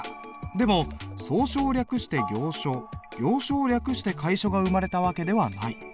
でも草書を略して行書行書を略して楷書が生まれた訳ではない。